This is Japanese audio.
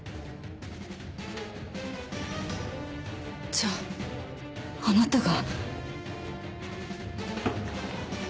じゃああなたが。